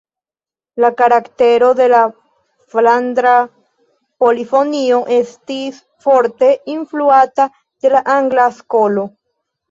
La karaktero de la flandra polifonio estis forte influata de la Angla Skolo.